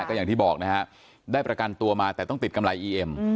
ก็อย่างที่บอกนะฮะได้ประกันตัวมาแต่ต้องติดกำไรอีเอ็ม